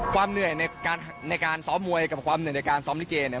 ความเหนื่อยในการซ้อมมวยกับความเหนื่อยในการซ้อมลิเกเนี่ย